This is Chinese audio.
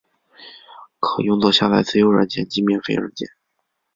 可用作下载自由软件及免费软件。